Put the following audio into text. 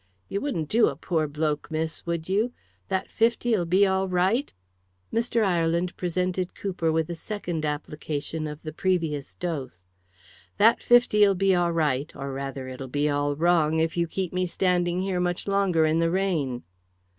You wouldn't do a pore bloke, miss, would you? That fifty'll be all right?" Mr. Ireland presented Cooper with a second application of the previous dose. "That fifty'll be all right, or rather it'll be all wrong, if you keep me standing here much longer in the rain."